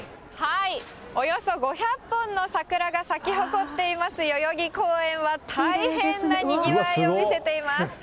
およそ５００本の桜が咲き誇っています、代々木公園は大変なにぎわいを見せています。